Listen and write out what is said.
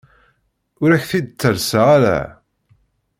Ur ak-t-id-ttalseɣ ara.